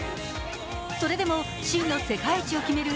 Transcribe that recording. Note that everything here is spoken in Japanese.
それでも真の世界一を決める